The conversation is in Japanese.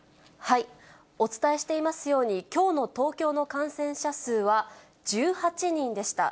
お伝えしていますように、きょうの東京の感染者数は１８人でした。